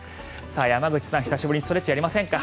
山口さん、久しぶりにストレッチやりませんか？